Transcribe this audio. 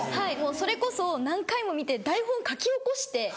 それこそ何回も見て台本書き起こして。